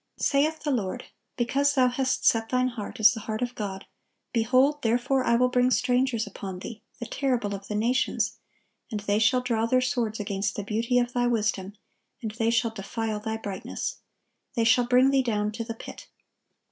Saith the Lord: "Because thou hast set thine heart as the heart of God; behold, therefore I will bring strangers upon thee, the terrible of the nations: and they shall draw their swords against the beauty of thy wisdom, and they shall defile thy brightness. They shall bring thee down to the pit."